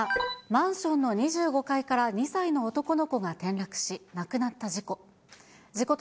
マンションの２５階から２歳の男の子が転落し、亡くなった事故。